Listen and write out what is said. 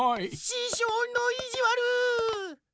ししょうのいじわる！